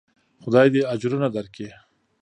خداى دې اجرونه درکي.